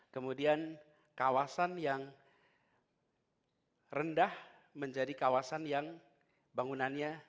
kemudian kawasan yang rendah menjadi kawasan yang bangunannya